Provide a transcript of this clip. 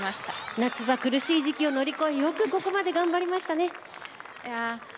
夏が苦しい時期を乗り越えよくここまで頑張りましたね。